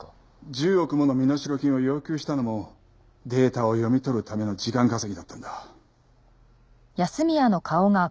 １０億もの身代金を要求したのもデータを読み取るための時間稼ぎだったんだ。